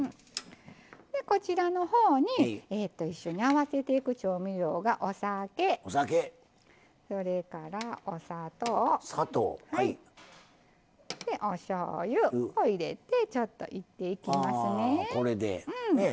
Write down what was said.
こちらの方に一緒に合わせていく調味料がお酒それからお砂糖おしょうゆを入れてちょっと煎っていきますね。